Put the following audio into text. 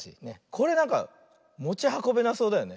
これなんかもちはこべなそうだよね。